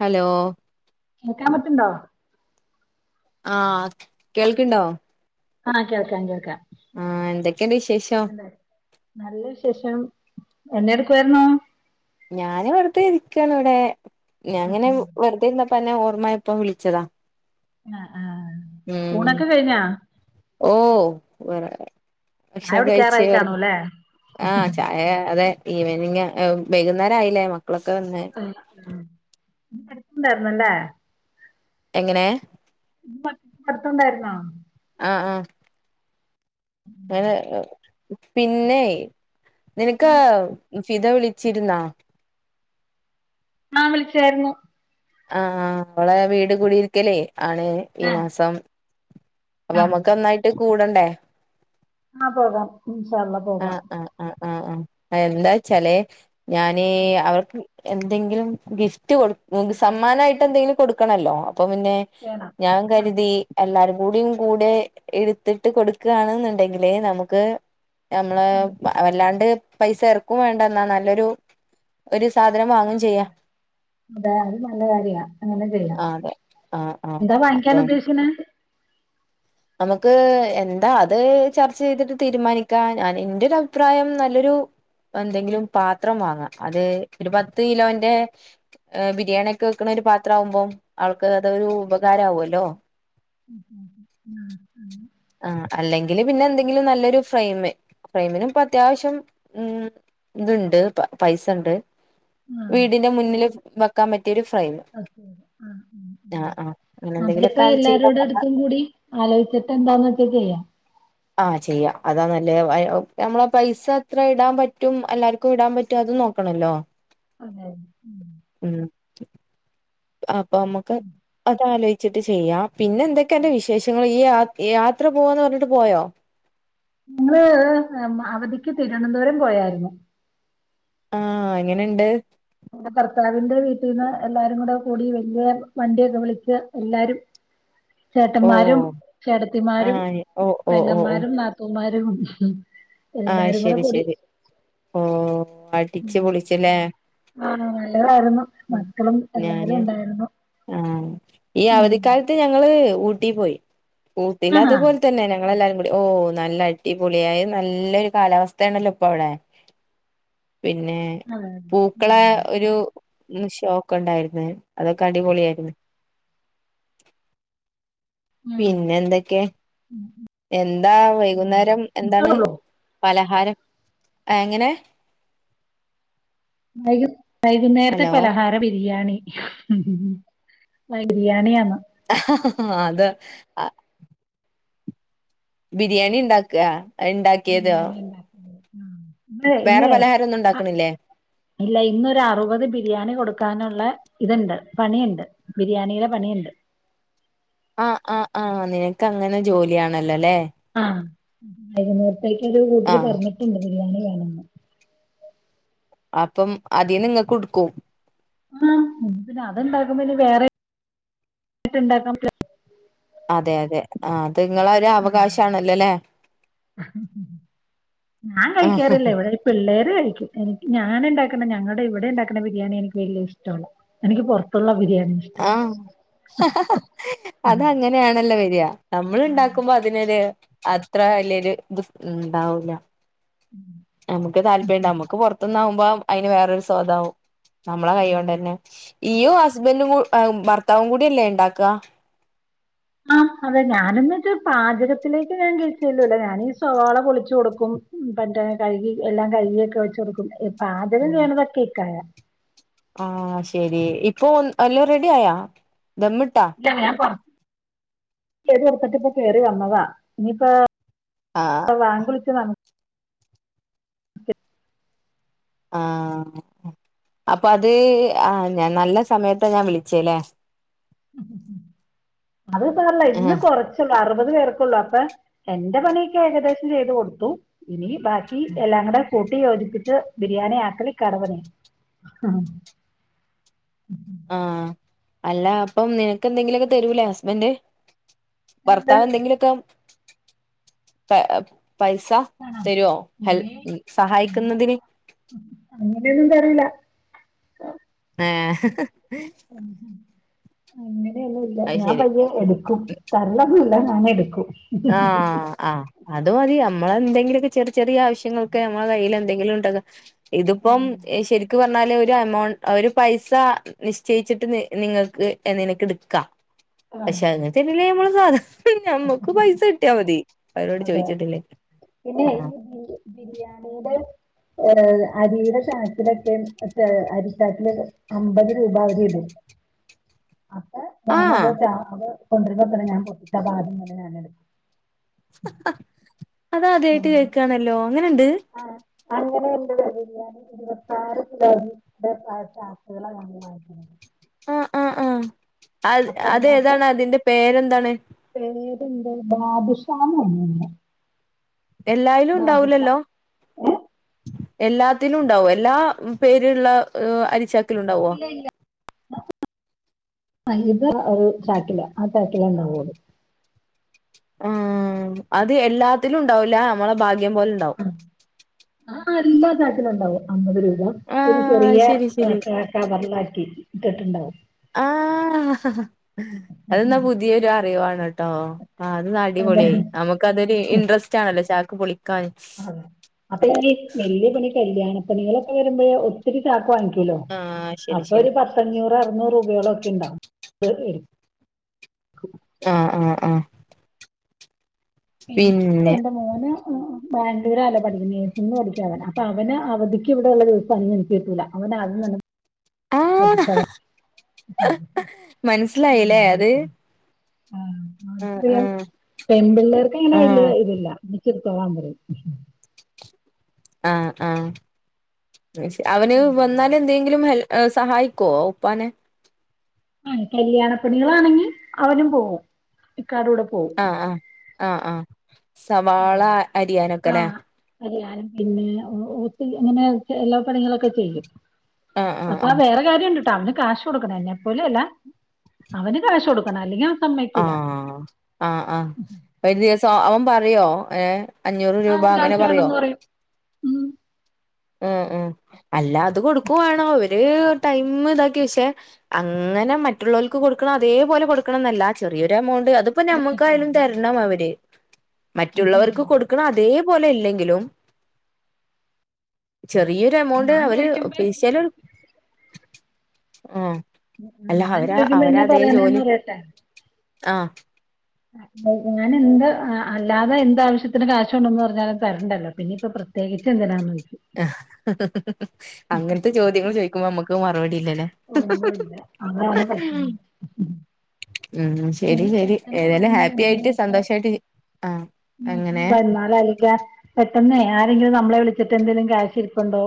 Hello കേൾക്കാൻ പറ്റണ്ടോ ആഹ് കേൾക്കണ്ടോ ആഹ് കേൾക്കാം കേൾക്കാം എന്തൊക്കെണ്ട് വിശേഷം എന്താ നല്ല വിശേഷം എന്നെ എടുക്കുയിരുന്നു ഞാനെ വെറുതെ ഇരിക്കാണ് ഇവിടെ ഞാങ്ങനെ വെറുതെഇരുന്നപോ പ്പന്നെ ഓർമ്മ ഇപ്പ വിളിച്ചതാ ആ ആഹ് ഉം ഊണൊക്കെ കഴിഞ്ഞാ ഓഹ് [unintelligible] ചായ ഭക്ഷണം കഴിച്ച കുടിക്കാറായി വെറുതെ കാണൂല്ലേ ആഹ് ചായ അതെ ഈവനിങാ വൈകുന്നേരാആയില്ലേ മ ഉം ഉം ണ്ടായിന്നല്ലേ എങ്ങനെ ഇത് മറ്റ മറ്റുണ്ടായിരുന്നാ ആഹാ ആഹ് അങ്ങെ പിന്നെ നിനക്കാ ഫിത വിളിച്ചിരുന്നാ ആഹ് വിളിച്ചായിരുന്നു ആഹ് ആഹ് അവളെ വീട് കൂടിരിക്കലേ ആണ് ഈ ആഹ് മാസം അപ്പൊ ആഹ് നമ്മക്ക് ഒന്നായിട്ട് കൂടണ്ടേ ആഹ് പോകാം ഇന്ഷാ അള്ളാ പോകാം അഹ് ആഹ് എന്താച്ചാലേ ഞാന് അവർക്ക് എന്തെങ്കിലും ഗിഫ്റ്റ് കൊടു സമ്മാനായിട്ട് എന്തെങ്കിലും കൊടുക്കണല്ലോ അപ്പൊ പിന്നെ വേണം ഞാൻ ആഹ് കരുതി എല്ലാരും കൂടിയും കൂടെ എടുത്തിട്ട് കൊടുക്കാണ് ന്ന്ണ്ടെങ്കിലെ നമുക്ക് നമ്മള് വല്ലാണ്ട് പൈസ എറക്കും വേണ്ടെന്നാ നല്ലൊരു ഒരു സാധനം വാങ്ങും ചെയ്യാ അതെ അത് നല്ല കാര് അങ്ങനെ ചെയ്യാം ആഹ് അതെ ആഹ് ആഹ് എന്താ വാങ്ങിക്കാൻ അപ്പം ഉദ്ദേശിക്കുന്ന നമുക്ക് എന്താ അത് ചർച്ച ചെയ്തിട്ട് തീരുമാനിക്കാ ഞാന് ഇന്റെ രഅഭിപ്രായം നല്ലൊരു പൊ എന്തെങ്കിലും പാത്രം വാങ്ങ. അത് ഒര് പത്ത് കിലോന്റെ ബിരിയാണിക്കെ വെക്കണ ഒര് പാത്ര ആവുമ്പോം അവൾക്ക് അതൊരു ഉപകാര ആവുമല്ലോ ആ അല്ലെങ്കില് പിന്നെ എന്തെങ്കിലും നല്ലൊരു ഫ്രെയിമ് ഫ്രമിനും പ്പ അത്യാവശ്യം ഉം ഇത്ണ്ട് പൈസണ്ട് ആഹ് വീടിന്റെ മുന്നില് വെക്കാൻ പറ്റ് അഹ് ഉം ഉം ഉം ആ ആ അങ്ങനെ ഉം അതല് പ്പൊ എന്തെങ്കിലുമൊക്കെ ചെയ്താ എല്ലാരോടും അടുത്തും കൂടി ആലോയ്ച്ട്ട് എന്താന്ന് വെച്ച ചെയ്യ ആഹ് ചെയ്യ. അതാ നല്ലത്. നമ്മളെ പൈസ അത്ര ഇടാൻ പറ്റും എല്ലാർക്കും ഇടാൻ പറ്റും അ ത് നോക്കണല്ലോ അതെ. ഉം [unintelligible] അപ്പൊ മ്മക്ക് അതാലോയ്ച്ചിട്ട് ചെയ്യാം. പിന്നെ ന്തൊക്കെ അന്റെ വിശേഷങ്ങള് ഈ യാത് യാത്ര പോവാന്ന് പർഞ്ഞ്ട്ട് പോയോ ഞങ്ങള് അവധിക്ക് തിരുവനന്തപുരം പോയായിരുന്നു ആഹ്. എങ്ങനെണ്ട് നമ്മടെ ഭർത്താവിന്റെ വീട്ടിൽന്ന് എല്ലാരും കൂടെ വല്യവണ്ടിയൊക്കെ വിളിച്ച് എല്ലാരും ചേട്ടന്മാരും ഓ ചേട്ടത്തിമാരും ആഹ് ഓ ഓ ഓ ഓ പെങ്ങന്മാരും നാത്തൂമാരും ആഹ് എല്ലാരും കൂടെ ശരി കൂടി. ശരി ഓ ടി ച്ച് ഉം. പൊളിച്ചുല്ലേ ആ നല്ലതായിരുന്നു. ഉം മക്കളും എല്ലാരും ഞാന് ഉണ്ടായിരുന്നു. ആഹ്. ഈ ഉം. അവധിക്കാലത്ത് ഞങ്ങള് ഊട്ടി പോയി ആഹാ. ഊട്ടീലത്പോൽതന്നെ. ഞങ്ങളെല്ലാരും കൂടി ഓ നല്ല അടിപൊളിയായി നല്ലൊരു കാലാവസ്ഥആണല്ലോ ഇപ്പൊ അവിടെ പിന്നെ അതെ അതെ. പൂക്കളെ ഉം. ഒരു ഷോക്കെ ണ്ടായിര്ന്ന് അതൊക്കെ അടിപൊളിയായിര്ന്ന്. ഉം. പിന്നെ എന്തൊക്കെ എന്താ വൈകുന്നേരം ഇത്രേ എന്താണ് ഉള്ളൂ. പലഹാരം ഏ എങ്ങനെ വൈക വൈകുന്നേരത്തെ ഹലോ പലഹാര ബിരിയാണി ആ ബിരിയാണിയാന്ന് അത ആ ബിരിയാണി ണ്ടാക. അത് ണ്ടാക്കേതോ ഇന്നെ ഇന്നെ അ ഉണ്ടാക്കണില്ലേ ഇല്ല ഇന്നൊരു അറുപത് ബിരിയാണി കൊടുക്ക ത്താനുള്ള ഇതുണ്ട് പണിയുണ്ട് ബിരിയാണിയുടേ പണിയുണ്ട് ആ ആ് ആഹ്. നിനക്ക് അങ്ങനെ ജോലിയാണല്ലോല്ലേ ആഹ്. വൈകുന്നേരത്തേക്കൊരു കൂട്ടര് ആഹ് പറഞ്ഞിട്ടുണ്ട് ബിരിയാണി വേണംന്ന് അപ്പം അതീന്ന് ഇങ്ങക്കും ട്ക്കും. ആ. പിന്നെ അത്ണ്ടാക്കുമ്പ വേറൊര് ഇത് ണ്ടാക്കാൻ പറ്റോ അതെ അതെ ആ അത്ങ്ങളൊരു ഉം. അവകാശ ആണല്ലോല്ലേ ഞാൻ ആഹ് കഴിക്കാറില്ല ഇവിടെ പിള്ളേർ ര് കഴിക്കും. എനിക്ക് ഞാന് ണ്ടാക്കുന്ന ഞങ്ങടെ ഇവടെ ഉണ്ടാക്കുന്ന ബിരിയാണി എനിക്ക് വലിയ ഇഷ്ടല്ല എനിക്ക് പുറത്തുള്ള ബിരിയാണി ഇഷ്ടം ആഹ് അത് അങ്ങനെയാണല്ലോ വരിയാ നമ്മൾ ഉണ്ടാക്കുമ്പോ അതിനോര് അത്ര വലിയൊര് ത് ണ്ടാവൂല നമുക്ക് ഉം. താല്പര്യംണ്ടാവും നമ്മുക്ക് പൊർത്ത്ന്നാവുമ്പോ അയ്ന് വേറൊരു സ്വാദാവും നമ്മളെ കൈയ്യോണ്ടെന്നെ ഇയ്യും ഹസ്ബന്ടും അ ഭർത്താവും കൂടില്ലേണ്ടാക ആ അതെ ഞാനന്ന്ച്ച് പാചകത്തിലേക്ക് ഞാൻ കേറിചെല്ലൂല ഞാനീ സോവാള പൊളിച്ചു കൊടുക്കും പ ട്രം കഴുകി എല്ലാം കഴുകിയൊക്കെ വെച്ചൊട്ക്കും. പാചകം ചെയ്യുന്നതൊക്കെ ഇക്കായാ ആഹ്. ശെരി ഇപ്പൊ എല്ലു റെഡി ആയാ ദമ്മിട്ടാ ഇല്ല ഞാൻ പൊറത്ത് കെതിക്കെട്ത്ത് ട്ട് ഇപ്പം കേറി വന്നതാ, ഇനിയിപ്പ ആഹ് ഇപ്പം വാങ്കുവിള്ച്ചതാണ് ആഹ് അപ്പൊ അത്, ആഹ് ഞാൻ നല്ലസമയത്താ ഞാൻ വിളിച്ചത് ലെ ഉം ഉം ഉം അതു സാരല്ല ഇന്നു ആഹ് കൊറചൊള്ളു അറ് അൻപതുപേർക്കൊള്ളൂ. അപ്പെ എന്റെ പണിക്കെ ഏകദേശം ചെയ്തുകൊടുത്തു. ഇനി ബാക്കിയെല്ലാം കൂടെ കൂട്ടിയോജിപ്പിച്ച്, ബിരിയാണി ആക്കല് കട [unintelligible] ന്നെ. ആഹ് അല്ല അപ്പം നിനക്കെന്തെങ്കിലൊക്കെതരൂലേ, ഹസ്ബൻഡ്. എന്ത് ഭർത്താവ് എന്തെങ്കിലൊക്കെ പൈസ, ആണോ? തരോ ഹെൽ.. ഇനി അങ്ങനെ സഹായിക്കുന്നതിന് അങ്ങനെയൊന്നും തരില്ല. എഹ് അങ്ങനെയൊന്നു ഇല്ല. ഞാൻപയ്യെ എടുക്കും. തര്ലൊന്നുല്ല ഞാനെടുക്കും. ആഹ് ആ അതുമതിയോ നമ്മളെന്തെങ്കിലുമൊക്കെ ചെറിയ ചെറിയ ആവശ്യങ്ങക്ക്‌ നമ്മുടെ കൈയ്യിലെന്തെങ്കിലും ഉണ്ടത് ഉം ഇതിപ്പംശരിക്കു പറ- നല്ലയൊരു എമൗണ്ട് അവരു പൈസ നിശ്ചയിച്ചിട്ട് നിങ്ങൾക്ക് നിനക്ക്‌ എടുക്കാം ആഹ് പക്ഷേ അങ്ങനത്തെതന്നല്ലേ നമ്മളുസാധാരണ ഞമ്മക്കുപൈസ കിട്ടിയാൽ മതി അവരോട് അതെ ചോദിച്ചിട്ടില്ലേ പിന്നെ ആഹ് ബിരിയാണിയുടെ- ഏ അരിയുടെ ചാക്കിലൊക്കെ അരി ചാക്കിലൊക്കെ അമ്പതുരൂപ വരെ ഇടും [inaudible] അപ്പൊ ആഹ് ഞാനതു, ഞാനത് കൊണ്ടിരുന്നത്ര ഞാൻ പൊട്ടപ്പാദ്യം തന്നെ ഞാൻ എടുക്കും. അത് ആദ്യായിട്ടു കേക്കാണല്ലോ അങ്ങനയുണ്ട് അങ്ങനെയുണ്ട് ബിരിയാണി ഇരുപത്താറു കിലോ ഇ പ ആായിുന്നത് [unintelligible] ആ ആ ആ അതിനകത്ത് അതേതാണ് അതിന്റെ പേരെന്താണ് ഉണ്ട് ബാദുഷാന്നാ പറയുന്നേ എല്ലായാലും ഉണ്ടാവൂലല്ലോ ഏഹ് എല്ലാത്തിനും ഉണ്ടാകുവോ എല്ലാ പേരിലുള്ള അരിച്ചാക്കിലുമുണ്ടാകുവോ ഇത്‌ ഇതൊരു ചാക്കില ആ ചാക്കിലേയുണ്ടാകുമത്. ആ അത് എല്ലാത്തിലുമുണ്ടാവൂല. നമ്മുടെ ഭാഗ്യം പോലെയുണ്ടാവും ആ എല്ലാംചാക്കിനും ഉണ്ടാകുവോ, അമ്പതുരൂപ ഒ ഒരു ആഹ് ചെറിയ ശരി ശരി കവറിലാക്കി ഇട്ടിട്ടുണ്ടാവും. ആ ഹ ഹ അതെന്നാ പുതിയൊരു അറിവാണേട്ടോ ആ അത് അതെ അടിപൊളിയായി നമുക്കതൊരു ഇൻട്രസ്റ്റാണല്ലോ ചാക്ക് പൊളി- അ അപ്പൊളിനി വെല്യ വല്യ കല്യാണപ്പണികളൊക്കെവരുമ്പോള് ഒത്തിരിച്ചാക്ക് വാങ്ങിക്കും. കിലോ ആഹ് ശരി അപ്പൊ ശരി ഒരു പത്തഞ്ഞൂറ് അറുന്നൂറ് രൂപയോളമൊക്കെയുണ്ടാവും. [unintelligible] ആ ഹ് ആഹ് ആ ഹ് [unintelligible] എന്റെ മോനാ [unintelligible] ബാംഗ്ലൂരാ [unintelligible] പഠിക്കുന്നേ നിന്നു പഠിക്കുവാ അവൻ. അപ്പ അവനെ അവധിക്ക് ഇവിടെ ഒള്ള ദിവസം [unintelligible] ആഹ് മനസ്സിലായില്ലേ അത് [unintelligible] ആഹ് ആഹ് [unintelligible] ആഹ് പെൺ പിള്ളേർക്ക് ഇങ്ങനെ വലിയ ഇതില്ല [unintelligible] എടുത്തോളാൻ പറയും മ്ഹ് ആഹ് ആഹ് [unintelligible] അവന് വന്നാല് എന്തെങ്കിലും ഹെൽ ഏഹ് സഹായിക്കോ ഉപ്പാനെ ആഹ് കല്യാണപ്പണികളാണെങ്കി അവനുംപോകും ഇക്കാട കൂടെ പോകും. ആഹ് ആഹ് ആഹ് ആഹ് സവാള അരിയാനൊക്കെലേ അരിയാനും പിന്നെ [unintelligible] അങ്ങനെ എല്ലാ പണികളൊക്കെ ചെയ്യും. ആഹ് ആഹ് ആഹ് അപ്പാവേറെ കാര്യണ്ട് അവന് കാശ് കൊടുക്കണ എന്നെ പോലെ അല്ല അവന് കാശ് കൊടുക്കണ അല്ലെങ്കി ആഹ് ആഹ് ആഹ് ഒരു ദിവസം അവൻ പറയോ ഏഹ് അഞ്ഞൂറ് രൂപ ആഹ് അങ്ങനെ കാശ് പറയോ വേണംന്ന് പറയും ഉം ഉം ഉം അല്ല അത് കൊടുക്കുവാണോ ത് ഒരു ടൈം ചെറിയൊരു എമൗണ്ട് അതിപ്പോ നമ്മക്കായാലും തരണം അവര് മറ്റുള്ളവർക്ക് കൊടുക്കണ അതേപോലെ ഇല്ലെങ്കിലും ചെറിയൊരു എമൗണ്ട് ഞാൻ അവര് ചോദിക്കും അല്ല ഞാൻ അവര് ചോദിക്കുമ്പോ അവര എന്നാ അതേ പറയണേന്ന് ജോലി ആഹ് അഹ് ഞാന് എന്ത് അല്ലാതെ എന്ത് ആവശ്യത്തിനും കാശുണ്ടെന്ന് പറഞ്ഞാലും തരണ്ടല്ലോ പിന്നിപ്പൊ പ്ര [unintelligible] ആഹ് ഹ് ഹ് ഹ് അങ്ങനത്തെ ചോദ്യങ്ങൾ ചോയിക്കുമ്പോ നമ്മുക്ക് മറുപടി ഇല്ലലേ ഹ് ഒന്നുല്ല അതാണ് ഹ് ഹ് പറ്റുന്നത് [unintelligible] ഉം ശരി ഇനി ശരി പെട്ടെന്ന് ഏതായാലും ഹാപ്പിയിയിട്ട് സന്തോഷായിട്ടിരി ഉം ഉം പരുന്നാലായിരിക്കാ പെട്ടെന്നേ ആരെങ്കിലു നമ്മളെ വിളി ച്ചിട്ട് എന്തെങ്കിലും ക്യാഷിരിപ്പുണ്ടോ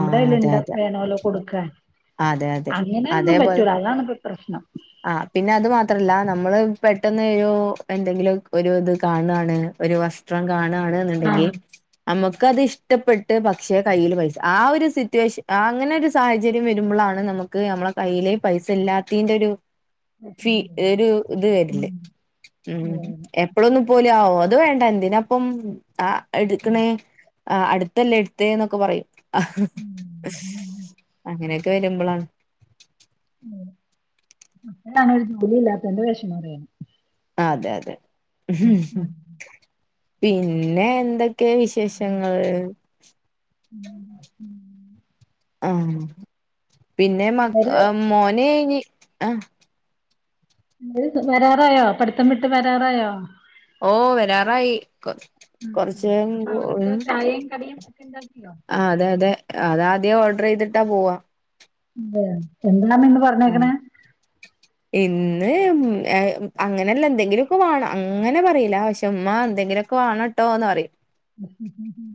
ആഹ് അതെ അതെ അതെ അതെ അതേപോലെ ഇപ്പ പ്രശ്നം ആഹ് പിന്നെ അത് മാത്രല്ല നമ്മ മ്മള് പെട്ടെന്നെനു എന്തെങ്കിലും ഒരു ഇത് കാണാണ് ഒരു വസ്ത്രം കാണാണ്ന്നുണ്ടെങ്കി നമുക്കത് ഇഷ്ടപ്പെട്ട് പക്ഷെ കയ്യിൽ പൈസ ആ ഒരു സിറ്റുവേഷൻ ആഹ് ഫി ഒരു ഇത് വരില്ലേ ഉം എപ്പലൊന്നും പോല ആവോ അ അത് വേണ്ട എന്തിനാപ്പം ആഹ് എടുക്ക്ണേ ആഹ് അടുത്തല്ലേ എടുത്തെ എന്നൊക്കെ പറയും ആഹ് [unintelligible] അങ്ങനെയക്കെ വരുമ്പോളാണ് ഉം അപ്പഴാണ് ഒരു ജോലി ഇല്ലാത്തെന്റെ വേഷമം അറയാൻ അതെ അതെ [unintelligible] പിന്നെ എന്തൊക്കെയ വിശേഷങ്ങൾ ഉം ഉം ആഹ് പിന്നെ മക് ഇവര് മോനെ ഇനി ആഹ് ത് വരാറായോ പഠിത്തം വിട്ട് വരാറായോ ഓഹ് വരാറായി കൊ ഉം ഉം അപ്പൊ കൊറച്ചഴിയുമ്പോ അവർക്ക് ചായയും കടിയും ഒക്കെ ഉണ്ടാക്കിയോ ആഹ് അതെ അതെ അതാദ്യം ഓർഡറെയ്തിട്ടാ പോവാ ഉം ആഹ് ഇന്ന് ഉം അ അങ്ങനെല്ല എന്തെങ്കിലൊക്കെ വേണം അങ്ങനെ പറയില പക്ഷേ ഉമ്മാ എന്തെങ്കിലൊക്കെ വേണട്ടോന്ന് പറയും ഹും ഹും ഹും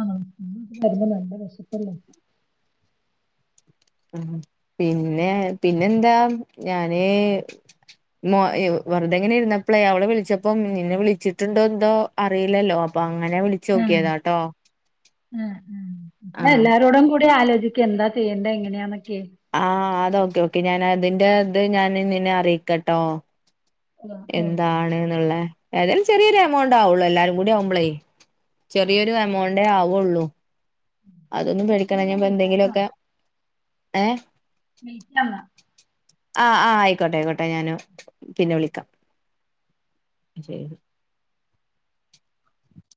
ആഹ് [unintelligible] വരുമ്പോ നല്ല വിശപ്പല്ലേ ഉം പിന്നെ പിന്നെന്താ ഞാന് മ അ വെറുതെങ്ങനിരുന്നപ് പ്പളെ അവളെ വിളിച്ചപ്പം നിന്നെ വിളിച്ചിട്ടുണ്ടോ എന്തോ അറിയില്ലല്ലോ അപ്പ അങ്ങനെ വിളിച്ചോക്കിയതാട്ടോ ഉം ഉം ന്നാ എല്ലാരോടും കൂടി ആലോചിക്ക് ആഹ് അത് ഓക്കെ ഓക്കെ ഞാൻ അതിന്റെ ഇത് ഞാൻ നിന്നെ അറിയി ആഹ് എന്താണ്ന്ന്ള്ളെഏതായാലും ചെറിയൊരു എ മൗ ആഹ് ചെറിയൊരു എമൗണ്ടേ ആവുള്ളു അതൊ എന്നാ ശരി ഞാൻ വിളിക്കാട്ടോ. വിളിക്കാന്നാ ആഹ് ആഹ് ആയിക്കോട്ടെ ആയിക്കോട്ടെ ഞാന് പിന്നെ വിളിക്കാ ചേല്